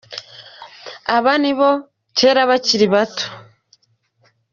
Aba ni bo kera bakiri bato.